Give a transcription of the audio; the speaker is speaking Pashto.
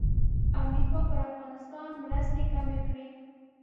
امریکا پر افغانستان مرستې کمې کړې.